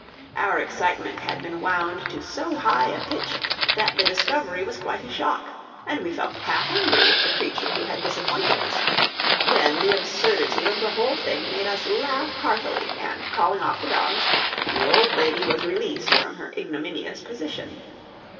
Our excitement had been wound to so high a pitch that the discovery was quite a shock, and we felt half angry with the creature who had disappointed us; then the absurdity of the whole thing made us laugh heartily, and calling off the dogs, the old lady was released from her ignominious position.